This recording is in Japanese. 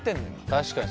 確かに。